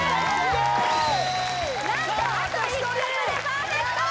何とあと１人でパーフェクト！